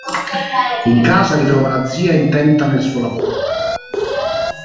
In casa ritrova la zia intenta nel suo lavoro.